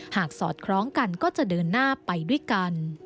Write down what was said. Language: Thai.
สอดคล้องกันก็จะเดินหน้าไปด้วยกัน